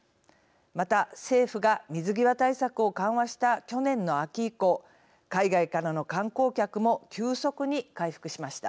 また政府が水際対策を緩和した去年の秋以降海外からの観光客も急速に回復しました。